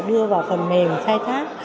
đưa vào phần mềm khai thác